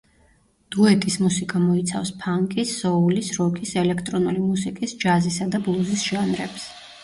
დუეტის მუსიკა მოიცავს ფანკის, სოულის, როკის, ელექტრონული მუსიკის, ჯაზისა და ბლუზის ჟანრებს.